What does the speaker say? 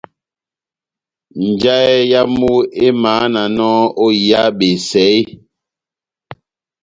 Njahɛ yamu emahananɔ ó iha besɛ eeeh ?